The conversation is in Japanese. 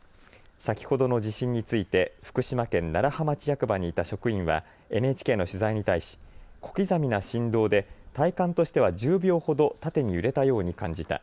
先ほどの地震について福島県楢葉町役場にいた職員はＮＨＫの取材に対し、小刻みな振動で体感としては１０秒ほど縦に揺れたように感じた。